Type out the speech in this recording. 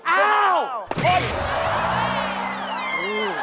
อ้าวหด